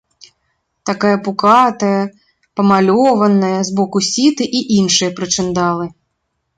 Такая пукатая, памалёваная, з боку сіты і іншыя прычындалы.